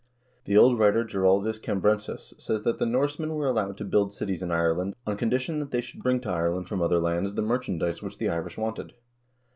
The old writer Geraldus Cambrensis says that the Norsemen were allowed to build cities in Ireland on condition that they should bring to Ireland from other lands the merchandise which the Irish wanted.